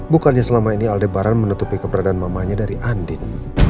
bukannya selama ini aldebaran menutupi keberadaan mamanya dari andin